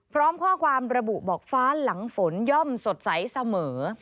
พร้อมข้อความระบุบอกฟ้าหลังฝนย่อมสดใสเสมอ